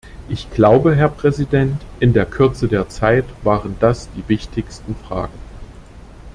Ich glaube, Herr Präsident, in der Kürze der Zeit waren das die wichtigsten Fragen.